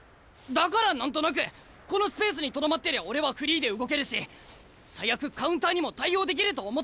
だから何となくこのスペースにとどまってりゃ俺はフリーで動けるし最悪カウンターにも対応できると思ったんだ。